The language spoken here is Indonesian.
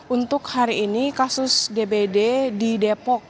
untuk hari ini kasus dbd di depok